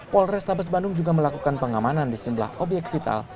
polres tabes bandung juga melakukan pengamanan di sejumlah obyek vital